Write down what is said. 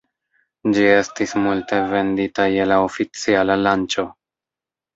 Ĝi estis multe vendita je la oficiala lanĉo.